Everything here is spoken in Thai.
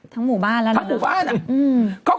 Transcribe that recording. ทั้งหมู่บ้านแล้วเหรอครับทั้งหมู่บ้าน